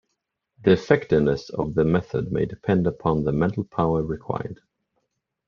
The effectiveness of the method may depend upon the mental power required.